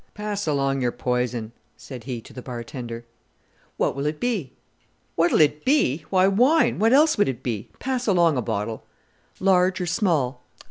"Pass along your poison," said he to the bartender. "What will it be?" "What will it be! Why wine, what else would it be? Pass along a bottle." "Large or small?"